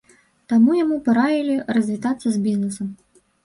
Тады яму параілі развітацца з бізнэсам.